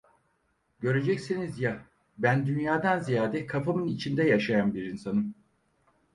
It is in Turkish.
Göreceksiniz ya, ben dünyadan ziyade kafamın içinde yaşayan bir insanım…